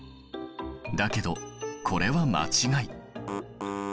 だけどこれは間違い。